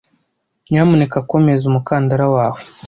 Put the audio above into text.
Nyamuneka komeza umukandara wawe.